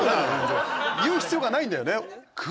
言う必要がないんだよね。